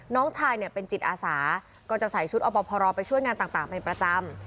น้องชายเนี่ยเป็นจิตอาสาก็จะใส่ชุดอบพรไปช่วยงานต่างเป็นประจำ